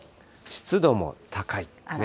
湿度も高い。